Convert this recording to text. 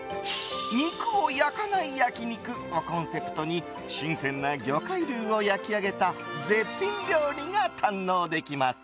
肉を焼かない焼き肉をコンセプトに新鮮な魚介類を焼き上げた絶品料理が堪能できます。